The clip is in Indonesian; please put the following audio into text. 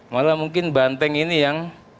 malah mungkin banteng ini yang